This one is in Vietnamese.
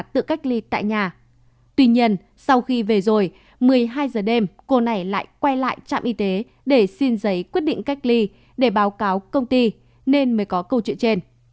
tuy nhiên sau khi về rồi một mươi hai giờ đêm cô này lại quay lại trạm y tế để xin giấy quyết định cách ly để báo cáo công ty nên mới có câu chuyện trên